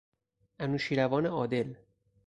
انوشیروان عادل